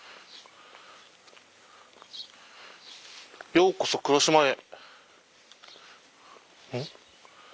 「ようこそ黒島へ」。